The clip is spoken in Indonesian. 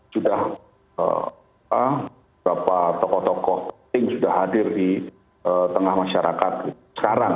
sudah beberapa tokoh tokoh penting sudah hadir di tengah masyarakat sekarang